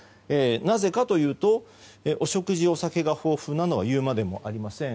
なぜかというとお食事やお酒が豊富なのは言うまでもありません。